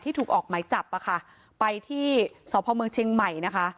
ที่ถูกออกไหมจับไปที่สพเชียงใหม่นะคะ